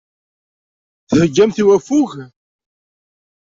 Theggamt i waffug.